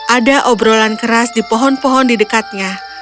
ada obrolan keras di pohon pohon di dekatnya